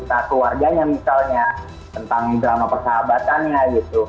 film film jepang tentunya yang paling menarik meragikan ked